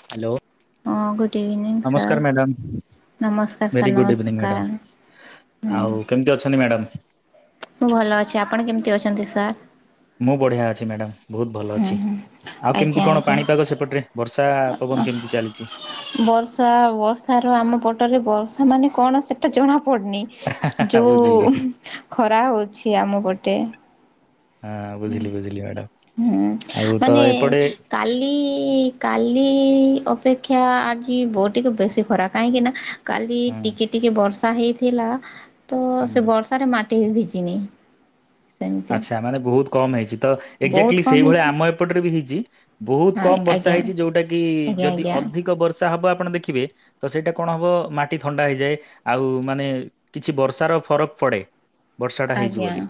Hello ହଁ good evening sir ନମସ୍କାର madam. ନମସ୍କାର sir very good evening madam, ନମସ୍କାର। ହୁଁ ଆଉ କେମିତି ଅଛନ୍ତି ମ୍ୟାଡ଼ମ୍? ମୁଁ ଭଲ ଅଛି, ଆପଣ କେମିତି ଅଛନ୍ତି ସାର୍। ମୁଁ ବଢ଼ିଆ ଅଛି ମ୍ୟାଡ଼ମ୍ ବହୁତ ଭଲ ଅଛି, ଆଉ ଆଜ୍ଞା କେମିତି କଣ ଆଜ୍ଞା। ପାଣିପାଗ ସେପଟରେ? ବର୍ଷା ପବନ କେମିତି ଚାଲିଚି। ବର୍ଷା ବର୍ଷାର ଆମ ପଟରେ ବର୍ଷା ମାନେ କଣ ସେତେ ଜଣା ପଡ଼ିନି। ଯୋଉ ବୁଝିଲି ହୁଁ ଖରା ହଉଛି ଆମ ପଟେ। ହାଁ ବୁଝିଲି ବୁଝିଲି ମ୍ୟାଡମ୍। ହୁଁ ମାନେ। କାଲି କାଲି ଅପେକ୍ଷା ଆଜି ବହୁତ ଟିକେ ବେଶୀ ଖରା, କାହିଁକି ନା। କାଲି ହୁଁ ଟିକେ ଟିକେ ବର୍ଷା ହେଇଥିଲା ତ ହୁଁ ସେ ବର୍ଷାରେ ମାଟି ବି ଭିଜିିନି। ଆଚ୍ଛା ମାନେ ବହୁତ କମ୍ ହେଇଛି ତ ବହୁତ ଏକ୍ଜାକ୍ଟଲି କମ୍ ସେଇଭଳିଆ ହେଇଛି। ଆମ ଏପଟରେ ବି ହେଇଛି। ବହୁତ ହଁ କମ ବର୍ଷା ଆଜ୍ଞା ହେଇଛି ଯୋଉଟା କି ଆଜ୍ଞା ଯଦି ଅଧିକ ବର୍ଷା ହବ ଆପଣ ଦେଖିବେ। ତ ସେଇଟା କଣ ହବ ମାଟି ଥଣ୍ଡା ହେଇଯାଏ, ଆଉ ମାନେ। କିଛି ବର୍ଷା ର ଫରକ ପଡ଼େ। ବର୍ଷା ଟା ହେଇଛି ଆଜ୍ଞା ଆଜ୍ଞା ବୋଲି,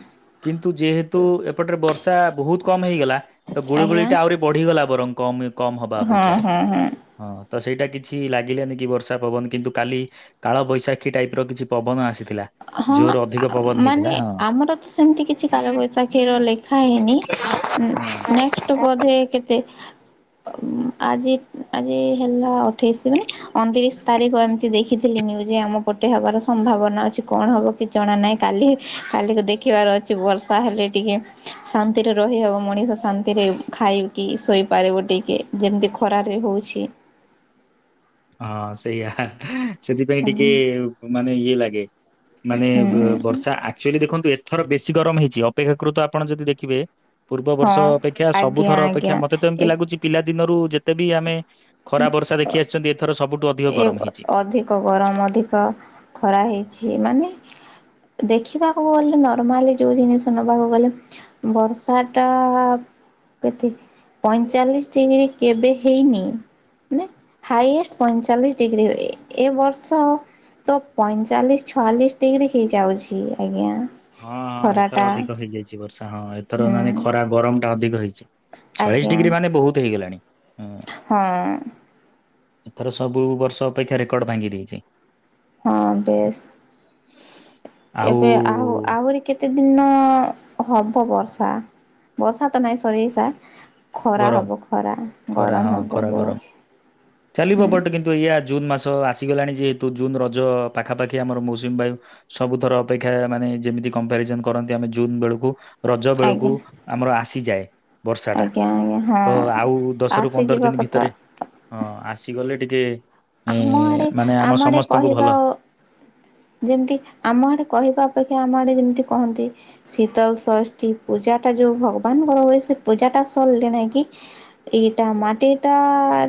କିନ୍ତୁ ଯେହେତୁ ଏପଟ ରେ ବର୍ଷା ବହୁତ କମ ହେଇଗଲା। ତ ଆଜ୍ଞା ଗୁଳୁଗୁଳିଟା ଆହୁରି ବଢିଗଲା ବରଂ କମେ କମ୍ ହବା ହଁ ଅପେକ୍ଷା। ହଁ ହଁ ହଁ ତ ସେଇଟା କିଛି ଲାଗିଲାନି କି ବର୍ଷା ପବନ କିନ୍ତୁ କାଲି କାଳ ବୈଶାଖୀ ଟାଇପ୍ ର କିଛି ପବନ ଆସିଥିଲା। ହଁ ଜୋର ଅଧିକ ଆ ପବନ ହେଇଥିଲା ମାନେ ହଁ। ଆମର ତ ସେମିତି କିଛି କାଳ ବୈଶାଖୀର ଲେଖା ହେଇନି ଉଁ ହଁ। ନେଷ୍ଟ୍ ବୋଧେ କେତେ ଅ ଆଜି ଆଜି ହେଲା ଅଠେଇଶି ମାନେ ଅଣତିରିଶି ତାରିଖ ଏମିତି ଦେଖିଥିଲି ନିୟୁଜୁ ଯେ ଆମ ପଟେ ହବାର ସମ୍ଭାବନା ଅଛି। କଣ ହବ କିଛି ଜଣା ନାହିଁ କାଲି କାଲିକୁ ଦେଖିବାର ଅଛି ବର୍ଷା ହେଲେ ଟିକେ। ଶାନ୍ତିରେ ରହିହବ ମଣିଷ ଶାନ୍ତିରେ ଖାଇକି ଶୋଇପାରିବ ଟିକେ। ଯେମିତି ଖରାରେ ହଉଛି। ହଁ ସେଇଆ ହେ। ସେଥିପାଇଁ ଟିକେ ମାନେ ଇଏ ଲାଗେ ମାନେ ବ ହୁଁ ବର୍ଷା ଆ ଆକକ୍ଚୁଲି ଦେଖନ୍ତୁ ଏଥର ବେଶୀ ଗରମ ହେଇଛି ଅପେକ୍ଷା କୃତ ଆପଣ ଯଦି ଦେଖିବେ ପୂର୍ବ ବର୍ଷ ହଁ ଅପେକ୍ଷା ଆଜ୍ଞା ସବୁଥର ଅପେକ୍ଷା ଆଜ୍ଞା ମତେ ତ ଏମିତି ଏ ଲାଗୁଚି ପିଲା ଦିନରୁ ଯେତେ ବି ଆମେ ଖରା ବର୍ଷା ଦେଖି ଆସିଛନ୍ତି ଏଥର ସବୁ ଏ ଅଧିକ ଗରମ ଅଧିକ ଖରା ହଁ ହେଇଛି ମାନେ ଦେଖିବାକୁ ଗଲେ ନର୍ମାଲି ଯଉ ଜିନିଷ ନବାକୁ ଗଲେ ବର୍ଷାଟା କେତେ ପଇଁଚାଳିଶି ଡିଗ୍ରୀ କେବେ ହେଇନି ମାନେ ହାଇଏଷ୍ଟ ପଇଁଚାଳିଶି ଡିଗ୍ରୀ ଏ ଏ ବର୍ଷ ତ ପଇଁଚାଳିଶ୍ ଛୟାଲିଶି ଡିଗ୍ରୀ ହେଇଯାଉଛି ଆଜ୍ଞା। ହଁ ହଁ ଏଥର ଖରାଟା ଅଧିକ ହେଇଯାଇଛି ବର୍ଷା ହଁ ଏଥର ହୁଁ ମାନେ ଖରା ଗରମ ଟା ଅଧିକ ହେଇଛି। ଛୟାଳିଶ ଆଜ୍ଞା ଡିଗ୍ରୀ ମାନେ ବହୁତ୍ ହେଇଗଲାଣି। ହଁ। ଏଥର ସବୁ ବର୍ଷ ଅପେକ୍ଷା ରେକର୍ଡ ଭାଙ୍ଗି ଦେଇଛି। ହଁ ବେଶ୍। [inaudible] ଏବେ ଆହୁ ଆହୁରି କେତେ ଦିନ ହବ ବର୍ଷା ବର୍ଷା ତ ନାଇଁ ସରିସା। ଖରା ଗରମ ହେବ ଖରା ଖରା ଗରମ ହଁ ହେବ ଖରା ଗ ଗରମ। ଚାଲିବ ହୁଁ। ବଟ୍ କିନ୍ତୁ ଏଇଆ ଜୁନ୍ ମାସ ଆସିଗଲାଣି ଯେହେତୁ ଜୁନ୍ ରଜ ପାଖା ପାଖି ଆମର ମୌସୁମୀ ବାୟୁ ସବୁ ଥର ଅପେକ୍ଷା ମାନେ ଯେମିତି କମ୍ପାରିଜନ କରନ୍ତି ଆମେ ଜୁନ୍ ବେଳକୁ। ରଜ ବେଳକୁ ଆଜ୍ଞା ଆମର ଆସିଯାଏ। ବର୍ଷାଟା। ଆଜ୍ଞା ଆଜ୍ଞା ହଁ। ତ ଆଉ ଦଶ ରୁ ପନ୍ଦର ଆସିଯିବା ଦିନି କଥା ଭିତରେ ହଁ ଆସିଗଲେ ଟିକେ ଏ ଆମ ଆଡ଼େ ମାନେ ଆମ ଆଡ଼େ ସମସ୍ତଙ୍କୁ ଭଲ କହିବ ଓ ଯେମିତି ଆମ ଆଡେ କହିବା ଅପେକ୍ଷା ଆମ ଆଡେ ଯେମିତି କହନ୍ତି ଶୀତଳ ଷଷ୍ଠୀ ପୂଜା ଟା ଯୋଉ ଭଗବାନଙ୍କର ହୁଏ ସେ ପୂଜା ଟା ସରିଲେ ନାଇଁ କି ଏଇଟା ମାଟିଟା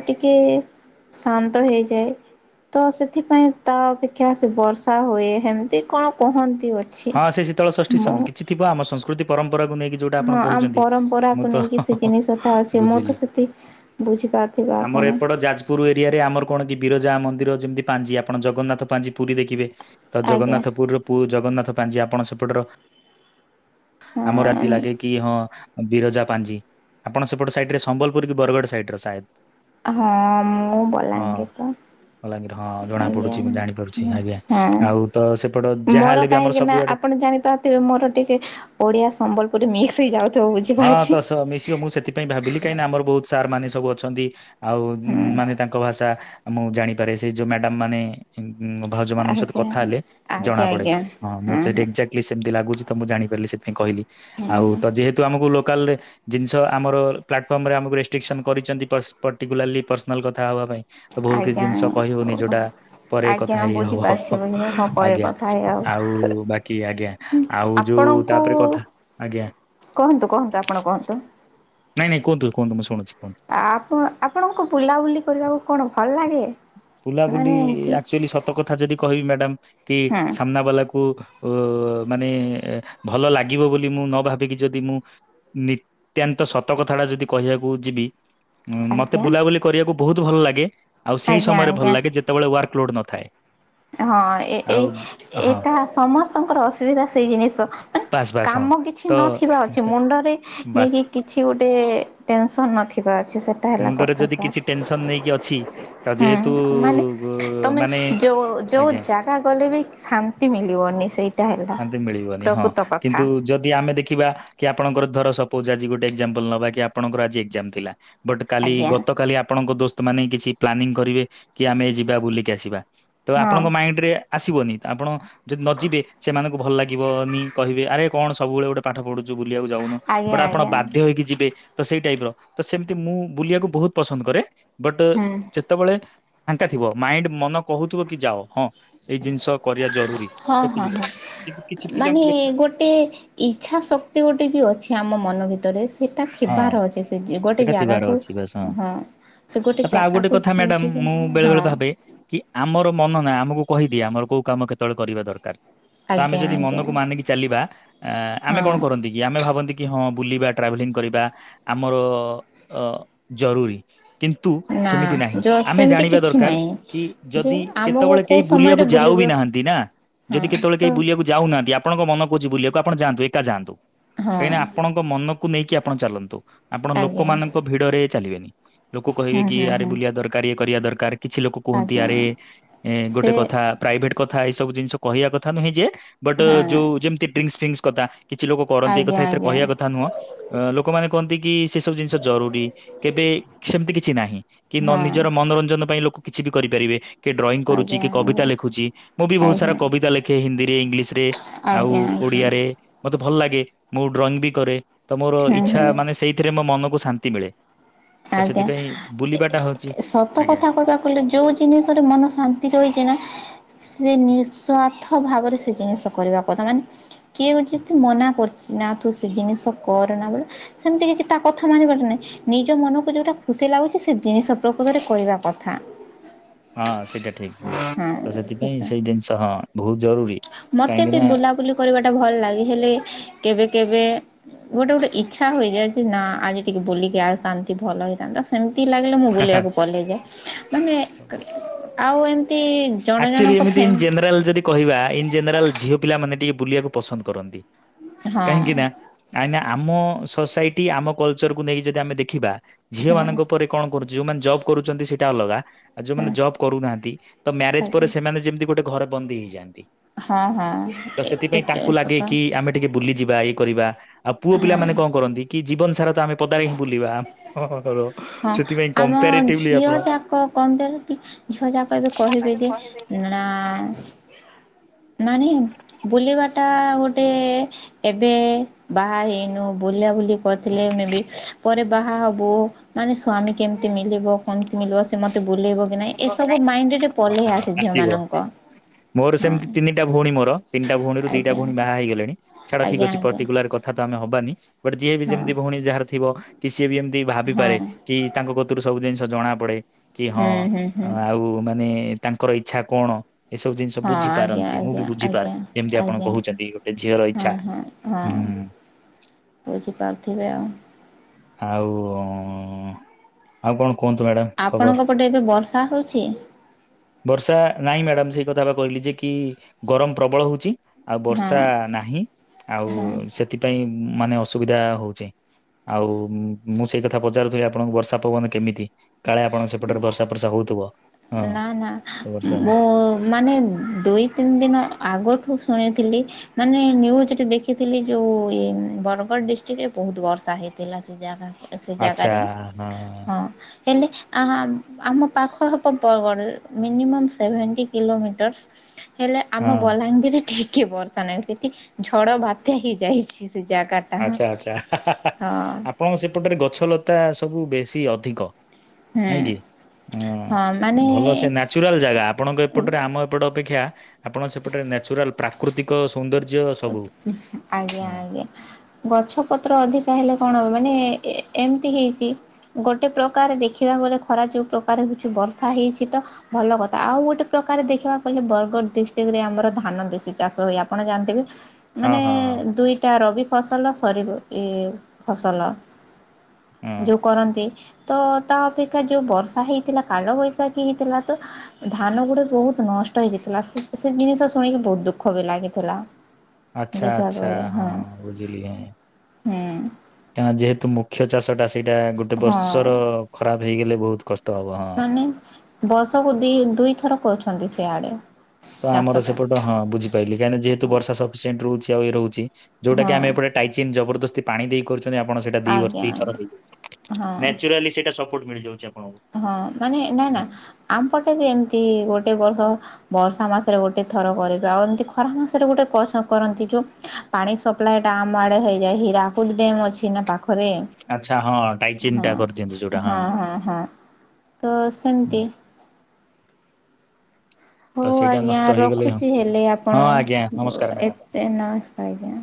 ଟିକେ ଶାନ୍ତ ହେଇଯାଏ। ତ ସେଥିପାଇଁ ତା ଅପେକ୍ଷା ସେ ବର୍ଷା ହୁଏ ହେମିତି କଣ କହନ୍ତି ବୋ ହଁ ସେ ଶୀତଳ ଷଷ୍ଠୀ ସେମିତି କିଛି ଥିବ ଆମ ସଂସ୍କୃତି ପରମ୍ପରାକୁ ନେଇକି। ଯୋଉଟା ହଁ ଆପଣ ଆମ କହୁଛନ୍ତି ପରମ୍ପରାକୁ ମୁଁ ନେଇକି ତ ସେ ଜିନିଷଟା ଅଛି ମୁଁ ତ ବୁଝିଲି। ସେଠି ବୁଝିପାରୁଥିବେ ଆପଣ ଆମର ଏପଟ ଯାଜ ପୁରୁ ଏରିଆରେ ଆମର କଣ କି ବିରଜା ମନ୍ଦିର ଯେମିତି ପାଞ୍ଜି ଆପଣ ଜଗନ୍ନାଥ ପାଞ୍ଜି ପୁରୀ ଦେଖିବେ। ତ ଆଜ୍ଞା। ଜଗନ୍ନାଥପୁର ପୁ ଜଗନ୍ନାଥ ପାଞ୍ଜି ଆପଣ ସେପଟର ଆମ ରାତି ହଁ ଲାଗେ କି ହଁ ବିରଜା ପାଞ୍ଜି ଆପଣ ସେପଟ ସାଇଡ ରେ ସମ୍ବଲପୁର କି ବରଗଡ଼ ସାଇଡ ର ସାଏଦ। ହଁ ମୁଁ ବଲାଙ୍ଗୀର ର। ବଲାଙ୍ଗିର ହଁ ଜଣା ପଡୁଛି ମୁଁ ଜାଣି ପାରୁଛି ଆଜ୍ଞା ଆଉ ତ ସେପଟ ଯାହା ହେଲେ ବି ଆମର ନାଁ ସବୁଆଡେ ଆପଣ ଜାଣିପାରୁଥିବେ ମୋର ଟିକେ ଓଡିଆ ସମ୍ବଲପୁରୀ ମିକ୍ସ ହେଇଯାଉ ହଁ ତ ସ ମିଶିବ ମୁଁ ସେଥିପାଇଁ ଭାବିଲି କାହିଁକି ନା ଆମର ବହୁତ୍ ସାର୍ ମାନେ ସବୁ ଅଛନ୍ତି। ଆଉ ହୁଁ ମାନେ ତାଙ୍କ ଭାଷା ମୁଁ ଜାଣିପାରେ ସେ ଯୋଉ ମ୍ୟାଡାମ ମାନେ ଭାଉଜ ମାନଙ୍କ ସହିତ ଆଜ୍ଞା କଥା ହେଲେ ଜଣା ଆଜ୍ଞା ପଡେ ଆଜ୍ଞା ହଁ ମୁଁ ହୁଁ ସେଠି ହୁଁ ଏ ଲି ସେମିତି ଲାଗୁଛି ତ ମୁଁ ଜାଣିପାରିଲି ସେଥିପାଇଁ କହିଲି ହୁଁ ଆଉ ହୁଁ ତ ଯେହେତୁ ଆମକୁ ଲୋକାଲ ଲେ ଜିନିଷ ଆମର ପ୍ଲାଟଫର୍ମରେ ଆମକୁ ରେଷ୍ଟ୍ରିକସନ କରିଛନ୍ତି ପର୍ଟିକୁଲାରଲି ପର୍ସନାଲ କଥା ହବା ପାଇଁ ବହୁତ କିଛି ଆଜ୍ଞା ଜିନିଷ କହିହଉନି ଯୋଉଟା ପରେ ଆଜ୍ଞା କଥା ହେଇ ହବ, ବୁଝିପାରୁଛି ବୁଝିପାରୁଛି ହଁ ପରେ ଆଜ୍ଞା। କଥା ହେଇ ଆଉ ବାକି ଆଜ୍ଞା ଆଉ ଯୋଉ ଆପଣଙ୍କୁ ତାପରେ କଥା ଆଜ୍ଞା। କୁହନ୍ତୁ କୁହନ୍ତୁ ଆପଣ କୁହନ୍ତୁ। ନାଇଁ ନାଇଁ କୁହନ୍ତୁ କୁହନ୍ତୁ ମୁଁ ଶଣୁଛି କୁହନ୍ତୁ। ଆପ ଆପଣଙ୍କୁ ବୁଲାବୁଲି କରିବାକୁ କଣ ଭଲ ଲାଗେ? ବୁଲାବୁଲି ମାନେ ଏମିତି ଆକଚୁଲି ସତ କଥା ଯଦି କହିବି ମ୍ୟାଡାମ କି ହୁଁ ସାମ୍ନା ବାଲାକୁ ଓ ମାନେ ଭଲ ଲାଗିବ ବୋଲି ମୁଁ ନ ଭାବିକି ଯଦି ମୁଁ ନିତ୍ୟାନ୍ତ ସତ କଥା ଟା ଯଦି କହିବାକୁ ଯିବି ଉଁ ମତେ ଆଜ୍ଞା ବୁଲାବୁଲି କରିବାକୁ ବହୁତ ଭଲ ଲାଗେ ଆଉ ସେଇ ଆଜ୍ଞା ସମୟରେ ଭଲ ଆଜ୍ଞା। ଲାଗେ ଯେତେବେଳେ ୱାର୍କ ଲୋଡ ନଥାଏ। ହଁ ଏ ଏ ଆଉ ହଁ ଏଟା ସମସ୍ତଙ୍କର ଅସୁବିଧା ସେଇ ଜିନିଷ। ବାସ୍ ବାସ୍ ହଁ କାମ କିଛି ତ ନଥିବା ଅଛି ମୁଣ୍ଡରେ ବାସ୍ ନେଇକି କିଛି ଗୋଟେ ଟେନସନ୍ ନଥିବାର ଅଛି ସେଟା ହେଲା ମୁଣ୍ଡରେ କଥା ଯଦି କିଛି ସାର୍। ଟେନସନ ନେଇକି ଅଛି ତ ଯେହେତୁ ହୁଁ ମାନେ ତମେ ମାନେ ଯୋଉ ଯୋଉ ଆଜ୍ଞା ଜାଗା ଗଲେ ବି ଶାନ୍ତି ମିଳିବନି ସେଇ ଶାନ୍ତି ମିଳିବନି ହଁ କିନ୍ତୁ ଯଦି ଆମେ ଦେଖିବା କି ଆପଣଙ୍କର ଧର ସପୋଜ ଆଜି ଗୋଟେ ଏକ୍ଜାମଲ ନବା କି ଆପଣଙ୍କର ଆଜି ଏକ୍ଜାମ ଥିଲା। ବଟ୍ କାଲି ଆଜ୍ଞା ଗତକାଲି ଆପଣଙ୍କ ଦୋସ୍ତ ମାନେ କିଛି ପ୍ଲାନିଂ କରିବେ କି ଆମେ ଯିବା ବୁଲିକି ଆସିବା। ତ ହଁ ଆପଣଙ୍କ ମାଇଣ୍ଡରେ ଆସିବନି ଆପଣ ଯଦି ନ ଯିବେ ସେମାନଙ୍କୁ ଭଲ ଲାଗିବନି କହିବେ ଆରେ କଣ ସବୁବେଳେ ଗୋଟେ ପାଠ ପଢୁଛୁ ବୁଲିବାକୁ ଯାଉନୁ ଆଜ୍ଞା ବଟ ଆପଣ ଆଜ୍ଞା ବାଧ୍ୟ ହେଇକି ଯିବେ, ତ ସେଇ ଟାଇପ ର ତ ସେମିତି ମୁଁ ବୁଲିବାକୁ ବହୁତ ପସନ୍ଦ କରେ ବଟ୍ ହୁଁ ଯେତେବେଳେ ଫାଙ୍କା ଥିବ ମାଇଣ୍ଡ ମନ କହୁଥିବ କି ଯାଅ ହଁ ଏଇ ଜିନିଷ କରିବା ଜରୁରୀ। ହଁ ହଁ ହଁ ସେତିକି କିନ୍ତୁ କିଛି ପିଲା ମାନେ ମୁଁ ଦେଖିଛି ଗୋଟେ ଇଚ୍ଛା ଶକ୍ତି ଗୋଟେ ବି ଅଛି ଆମ ମନ ଭିତରେ, ସେଟା ହଁ ଥିବାର ଅଛି ସେ ଗୋଟେ ଏଇଟା ଥିବାର ଜାଗାକୁ ଅଛି ବାସ୍ ହଁ। ସେ ତାପରେ ଆଉ ଗୋଟେ ଜାଗାକୁ କଥା ମ୍ୟାଡାମ ଯାଇକି ମୁଁ ବେଳେ ବେଳେ ହଁ ଭାବେ କି ଆମର ମନ ନା ଆମକୁ କହିଦିଏ ଆମର କୋଉ କାମ କେତେବେଳେ କରିବା ଦରକାର ତ ଆମେ ଆଜ୍ଞା ଯଦି ଆଜ୍ଞା ମନକୁ ମାନିକି ଚାଲିବା ଆମେ କଣ ହଁ କରନ୍ତି କି ଆମେ ଭାବନ୍ତି କି ହଁ ବୁଲିବା ଟ୍ରାଭେଲିଂ କରିବା ଆମର ଅ ଜରୁରୀ କିନ୍ତ ନ୍ତୁ ନା ସେମିତି ନାହିଁ ଯ ଆମେ ସେମିତି ଜାଣିବା କିଛି ଦରକାର କି ନାହିଁ। ଯେ ଯଦି ଆମକୁ କେତେବେଳେ କୋଉ କେହି ବୁଲିବାକୁ ସମୟରେ ଯାଉ ବି ବୁଲିବାକୁ ନାହାନ୍ତି ନ୍ତି ନା ଯଦି ହଁ କେତେବେଳେ କେହି ତ ବୁଲିବାକୁ ଯାଉନାହାନ୍ତି ଆପଣଙ୍କ ମନ କହୁଛି ବୁଲିବାକୁ ଆପଣ ଯାନ୍ତୁ ଏକା ଯାଆନ୍ତୁ ହଁ କାହିଁକି ନା ଆପଣଙ୍କ ମନକୁ ନେଇକି ଆପ ଆପଣ ଚାଲନ୍ତୁ ଆପଣ ଆଜ୍ଞା ଲୋକମାନଙ୍କ ଭିଡରେ ଚାଲିବେନି। ଲୋକ କହିବେ ହୁଁ କି ହୁଁ ଆରେ ହୁଁ ବୁଲିଆ ଦରକାର ଇଏ କରିବା ଦରକାର। କିଛି ଲୋକ କୁହନ୍ତି ଆଜ୍ଞା ଆରେ ଏ ସେ ଗୋଟେ କଥା ପ୍ରାଇଭେଟ କଥା ଏଇ ସବୁ ଜିନିଷ କହିବା କଥା ନୁହେଁ ଯେ ବଟ୍ ହଁ ଯୋଉ ଯେମିତି ଡ୍ରିଙ୍କସ୍ ଫ୍ରୀଙ୍କସ୍ କଥା କିଛି ଲୋକ କରନ୍ତି ଏଇ କଥା ଆଜ୍ଞା ଏଥିରେ ଆଜ୍ଞା କହିବା କଥା ନୁହଁ। ଅ ଲୋକମାନେ କହନ୍ତି କି ସେ ସବୁ ଜିନିଷ ଜରୁରୀ କେବେ ସେମିତି କିଛି ନାହିଁ। କି ନ ହଁ ନିଜର ମନୋରଞ୍ଜନ ପାଇଁ ଲୋକ କିଛି ବି କରିପାରିବେ। କିଏ ଡ୍ରଇଂ କରୁଛି ଆଜ୍ଞା କି କବିତା ଲେଖୁଛି ମୁଁ ବି ଆଜ୍ଞା ବହୁତ ସାରା ଆଜ୍ଞା କବିତା ଲେଖେ ହିନ୍ଦୀରେ ଇଂଲିଶରେ। ଆଉ ଆଜ୍ଞା ଆଜ୍ଞା ଓଡିଆରେ। ମତେ ଭଲ ଲାଗେ ମୁଁ ଡ୍ରଇଂ ବି କରେ ତ ମୋର ହୁଁ ହୁଁ ଇଚ୍ଛା ମାନେ ସେଇଥିରେ ମୋ ମନକୁ ଶାନ୍ତି ମିଳେ। ତ ଆଜ୍ଞା, ସେଥିପାଇଁ ଏ ବୁଲିବାଟା ହଉଛି ସତ ଆଜ୍ଞା କଥା କହିବାକୁ ବୋଲେ ଯୋଉ ଜିନିଷରେ ମନ ଶାନ୍ତି ରହିଛି ନା ସେ ନିଃସ୍ୱାର୍ଥ ଭାବରେ ସେ ଜିନିଷ କରିବା କଥା ମାନେ କିଏ ଗୋଟେ ଯଦି ତ ମନା କରୁଛି ନା ତୁ ସେ ଜିନିଷ କରନା ବଲେ ସେମିତି କିଛି ତା କଥା ମାନି ବାର ନାଇଁ ନିଜ ମନକୁ ତାଙ୍କୁ ଯୋଉଟା ଖୁସି ଲାଗୁଛି ସେ ଜିନିଷ ପ୍ରକୃତରେ କରିବା କଥା। ହଁ ସେଇଟା ଠିକ୍ ହଁ ତ ସେଥିପାଇଁ ସେଟା ସେଇ ଜିନିଷ ହଁ ବହୁତ ଜରୁରୀ ମତେ କାହିଁକି ବି ନା ବୁଲାବୁଲି କରିବାଟା ଭଲ ଲାଗେ ହେଲେ କେବେ କେବେ ଗୋଟେ ଗୋଟେ ଇଚ୍ଛା ହୋଇଯାଏ ଯେ ନା ଆଜି ଟିକେ ବୁଲିକି ଆ ଶାନ୍ତି ଭଲ ହେଇଥାନ୍ତା। ସେମିତି ଲାଗିଲେ ମୁଁ ବୁଲିବାକୁ ପଲେଇଯାଏ ମାନେ ଆଉ ଏମତି ଆକ୍ଚୁଆଲି ଏମିତି ଇଁନ ଜେନେରାଲ ଯଦି କହିବା ଇନ ଜେନେରାଲ ଝିଅ ପିଲା ମାନେ ଟିକେ ବୁଲିବାକୁ ପସନ୍ଦ କରନ୍ତି ହଁ କାହିଁକି ନା କାଇଁକି ନା ଆମ ସୋସାଇଟି ଆମ କଲଚରକୁୁ ନେଇକି ଯଦି ଆମେ ଦେଖିବା ଝିଅ ହଁ ମାନଙ୍କ ପରେ କଣ କରୁଛି ଯୋଉ ମାନେ ଜବ କରୁଛନ୍ତି ସେଇଟା ଅଲଗା ଆଉ ଯୋଉ ମାନେ ହଁ ଜବ କରୁ ନାହାନ୍ତି ତ ମ୍ୟାରେଜ ଆଜ୍ଞା ମାନେ ଯେମିତି ଗୋଟେ ଘରେ ବନ୍ଦୀ ହେଇଯାଆନ୍ତି ହଁ ତ ହଁ ସେଥିପାଇଁ ଏତେ ତାଙ୍କୁ ଲାଗେ ସତ କି ଆମେ ଟିକେ ବୁଲିଯିବା ଇଏ କରିବା ଆଉ ପୁଅ ପିଲା ହଁ ମାନେ କଣ କରନ୍ତି କି ଜୀବନ ସାରା ତ ଆମେ ପଦାରେ ହିଁ ବୁଲିବା। ହଁ ସେଥିପାଇଁ ଆମ କମ୍ପାରିଟିଭଲି ଝିଅ ଆପଣ ଯାକ କଣ ଟେ କି ଝିଅ ଯାକ ଏବେ କହିବେ ଯେ ନା [unintelligible] ବୁଲିବାଟା ଗୋଟେ ଏବେ ବାହା ହେଇନୁ ବୁଲା ବୁଲି କରିଥିଲେ ମେ ବି ପରେ ବାହା ହବୁ ମାନେ ସ୍ଵାମୀ କେମତି ମିଲି ଲିବ କମତି ମିଳିବ ସେ ମତେ ବୁଲେଇବ କି ନାଇଁ ଏସବୁ ମାଇଣ୍ଡ ରେ ପଲେଇ ଆସେ ଝିଅ ଆସିବ। ମାନଙ୍କ ମୋର ହଁ ସେମତି ତିନି ଟା ଭଉଣୀ ମୋର ତିନିଟା ଭଉଣୀରୁ ଦିଇଟା ଆଜ୍ଞା ଭଉଣୀ ବାହା ହେଇ ଗଲେଣି ଛାଡ଼ ଠିକ୍ ଆଜ୍ଞା ଅଛି ଆଜ୍ଞା ପର୍ଟିକୁଲାର କ ଥା ତ ଆମେ ହବାନି ବଟ ଯିଏ ବି ହଁ ଯେମିତି ଭଉଣୀ ଯାହାର ଥିବ କି ସିଏ ବି ଏମିତି ଭାବିପାରେ ହଁ କି ତାଙ୍କ କତୁରୁ ସବୁ ଜିନିଷ ଜଣା ପଡ଼େ କି ହଁ ହୁଁ ହୁଁ ହୁଁ ଆଉ ମାନେ ତାଙ୍କର ଇଚ୍ଛା କଣ? ଏସବୁ ଜିନିଷ ହଁ ଆଜ୍ଞା ବୁଝିପାରନ୍ତି ମୁଁ ବି ଆଜ୍ଞା ଆଜ୍ଞା ବୁଝିପାରେ ଯେମିତି ଆପଣ ଆଜ୍ଞା କହୁଛନ୍ତି ଗୋଟେ ଝିଅର ହଁ ଇଚ୍ଛା। ହଁ ହଁ ହୁଁ। ବୁଝିପାରୁଥିବେ ଆଉ। ଆଉ ଆଉ କଣ କୁହନ୍ତୁ ମ୍ୟାଡାମ୍ ଆପଣଙ୍କ ଖବର? ପଟେ ଏବେ ବର୍ଷା ହଉଛି ବର୍ଷା ନାଇଁ ମ୍ୟାଡାମ୍ ସେଇ କଥା ବା କହିଲି ଯେ କି ଗରମ ପ୍ରବଳ ହଉଛି। ଆଉ ବର୍ଷା ହଁ ନାହିଁ ଆଉ ସେଥିପାଇଁ ମାନେ ଅସୁବିଧା ହଉଚି। ଆଉ ମୁଁ ସେଇ କଥା ପଚାରୁଥିଲି ଆପଣଙ୍କୁ ବର୍ଷା ପବନ କେମିତି? କାଳେ ଆପଣଙ୍କ ସେପଟରେ ବର୍ଷା ପର୍ଷା ହଉଥିବ? ହଁ ନା ନା ତ ବର୍ଷା ମୁଁ ନାହିଁ। ମାନେ ଦୁଇ ତିନି ଦିନ ଆଗଠୁ ଶୁଣିଥିଲି ମାନେ ନ୍ୟୁଜରେ ଦେଖିଥିଲି ଯୋଉ ଏ ବରଗଡ଼ ଡିଷ୍ଟ୍ରିକ୍ଟ ରେ ବହୁତ ବର୍ଷା ହେଇଥିଲା ସେ ଜାଗାରେ ସେ ଜାଗାରେ, ହଁ ହେଲେ ଆହା ଆମ ପାଖ ତ ପରଗଡ଼ ରେ ମିନିମମ୍ ସେଭେଣ୍ଟି କିଲୋମିଟରସ୍, ହେଲେ ଆମ ହଁ ବଲାଙ୍ଗୀର ଟିକେ ବର୍ଷା ନାହିଁ ସେଠି ଝଡ଼ ବାତ୍ୟା ହେଇ ଯାଇଛି ସେ ଜାଗା ଆଚ୍ଛା ଆଚ୍ଛା ହା-ହା-ହା ଆପଣଙ୍କ ସେପଟରେ ଗଛ ଲତା ସବୁ ବେଶୀ ଅଧିକ ନାଇଁ କିି! ଅଁ ଭଲ ସେ ମାନେ ନା ଚୁରାଲ ଜାଗା ଆପଣଙ୍କ ଏପଟରେ ଆମ ଏପଟ ଅପେକ୍ଷା ଆପଣ ସେପଟରେନେଚୁରାଲ୍ ପ୍ରା କୃତିକ ସୌନ୍ଦର୍ଯ୍ୟ ସବୁ ହଁ। [inaudible] ଗଛ ପତ୍ର ଅଧିକା ହେଲେ କଣ ହବ ମାନେ ଏ ଏମିତି ହେଇଛି ଗୋଟେ ପ୍ରକାରେ ଦେଖିବାକୁ ଗଲେ ଖରା ଯୋଉ ପ୍ରକାରେ ହଉଛି ବର୍ଷା ହେଇଛି ତ ଭଲ କଥା ଆଉ ଗୋଟେ ପ୍ରକାରେ ଦେଖିବାକୁ ଗଲେ ବରଗଡ ଡିଷ୍ଟ୍ରିକ୍ଟ ରେ ଆମର ଧାନ ବେଶି ଚାଷ ହୁଏ ଆପଣ ଜାଣିଥିବେ। ହଁ ମାନେ ହଁ ହଁ ଦୁଇଟା ରବି ଫସଲ ସରିିବ ଏ ଫସଲ, ହଁ ଯୋଉ କରନ୍ତି ତ ତା ଅପେକ୍ଷା ଯୋଉ ବର୍ଷା ହେଇଥିଲା କାଲ ବୈଶାଖୀ ହେଇଥିଲା ତ ଧାନ ଗୁଡେ ବହୁତ ନଷ୍ଟ ହେଇଯାଇଥିଲା ସେ ସେ ଜିନିଷ ଶୁଣିକି ବହୁତ ଦୁଃଖ ବି ଲାଗିଥିଲା। ଆଚ୍ଛା ଦେଖିବାକୁ ଆଚ୍ଛା ଗଲେ ହଁ ବୁଝିଲି ଆ ହୁଁ କାଇଁନା ଯେହେତୁ ମୁଖ୍ୟ ଚାଷ ଟା ସେଇଟା ଗୋଟେ ହଁ ବର୍ଷର ଖରାପ ହେଇଗଲେ ବହୁତ କଷ୍ଟ ହବ ହଁ ମାନେ ବର୍ଷକୁ ଦି ଦୁଇଥର କରୁଛନ୍ତି ସେ ଆଡେ ତ ଆମର ସେପଟ ହଁ ବୁଝିପାଇଲି କାହିଁକି ନା ଯେହେତୁ ହଁ ବର୍ଷା ସଫିସିଏଣ୍ଟ ରହୁଛି ଆଉ ଇଏ ରହୁଛି ଯୋଉଟା କି ଆମେ ଏପଟେ ଟାଇଚିନ୍ ଜବରଦସ୍ତି ପାଣି ଦେଇ କରୁଛନ୍ତି ଆପଣ ସେଟା ଦି ବର୍ଷ ଆଜ୍ଞା ଦିଥର ଆଜ୍ଞା ହେଇଯାଉଛି ହଁ ନେଚୁରାଲି ସେଇଟା ସ ପୋଟ ମିଳିଯାଉଛି ଆପଣଙ୍କୁ। ହଁ ମାନେ ନା ନା ଆମପଟେ ବି ଏମିତି ଗୋଟେ ବର୍ଷ ବର୍ଷା ମାସରେ ଗୋଟେ ଥର କରିଥା ଆଉ ଏମିତି ଖରା ମାସରେ ଗୋଟେ କସ କରନ୍ତି ଯୋଉ ପାଣି ସପ୍ଲାଏ ଟା ଆମ ଆଡେ ହେଇଯାଏ ହିରାକୁଦ୍ ଡ୍ୟାମ୍ ଅଛି ନା ପାଖରେ। ଆଚ୍ଛା ହଁ ଡାଇଚିନ୍ ହଁ ଟା କରିଦିଅନ୍ତି ଯୋଉଟା ହଁ ହଁ ହଁ ତ ହୁଁ, ସେମିତି ତ ହୋଉ ସେଇଟା ଆଜ୍ଞା ନଷ୍ଟ ହେଇଗଲେ ହଁ ରଖୁଛି ହେଲେ ହଁ ଆପଣ ଆଜ୍ଞା ବ ନମସ୍କାର ମ୍ୟାଡ଼ାମ। ଏତେ ନମସ୍କାର ଆଜ୍ଞା।